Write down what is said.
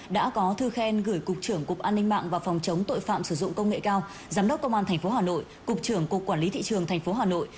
đã có thư khen gửi cục trưởng cục an ninh mạng và phòng chống tội phạm sử dụng công nghệ cao giám đốc công an tp hà nội cục trưởng cục quản lý thị trường tp hà nội